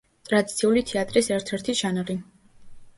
ტრადიციული თეატრის ერთ-ერთი ჟანრი.